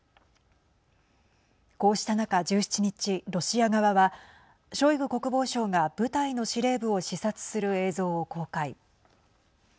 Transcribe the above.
こうした中、１７日ロシア側はショイグ国防相が部隊の司令部を視察する映像を公開。